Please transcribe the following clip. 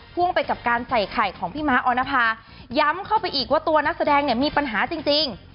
่วงไปกับการใส่ไข่ของพี่ม้าออนภาย้ำเข้าไปอีกว่าตัวนักแสดงเนี่ยมีปัญหาจริง